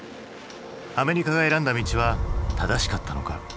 アメリカが選んだ道は正しかったのか？